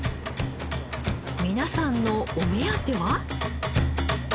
皆さんのお目当ては？